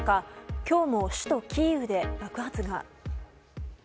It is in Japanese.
今日も首都キーウで爆発が。